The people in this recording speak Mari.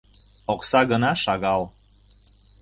— Окса гына шагал...